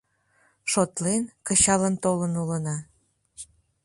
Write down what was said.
Шотлен, кычалын толын улына.